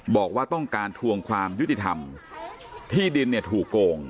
บอกว่าต้องการทวงความยุติธรรมที่ดินเนี่ยถูกโกง